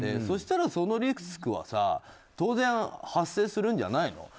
そうしたら、そのリスクは当然、発生するんじゃないの？